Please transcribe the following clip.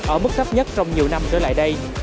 ở mức thấp nhất trong nhiều năm trở lại đây